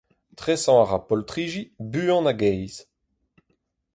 Tresañ a ra poltridi buan hag aes.